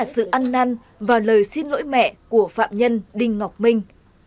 đó là sự ăn năn và lời xin lỗi mẹ của phạm nhân đinh ngọc minh